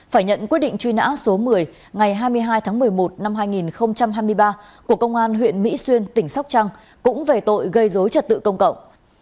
phải nhận quyết định truy nã số một mươi ngày hai mươi hai tháng một mươi một năm hai nghìn hai mươi ba của công an huyện mỹ xuyên tỉnh sóc trăng cũng về tội gây dối trật tự công cộng